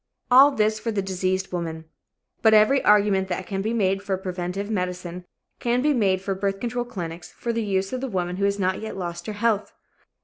All this for the diseased woman. But every argument that can be made for preventive medicine can be made for birth control clinics for the use of the woman who has not yet lost her health.